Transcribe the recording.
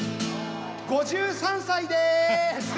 ５３歳です！